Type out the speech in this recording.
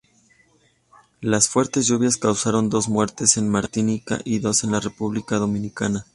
Las fuertes lluvias causaron dos muertos en Martinica y dos en la República Dominicana.